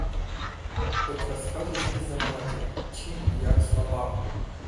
От розкажеш і за матір — чим і як слаба.